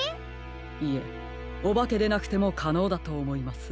いえおばけでなくてもかのうだとおもいます。